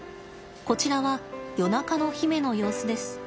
こちらは夜中の媛の様子です。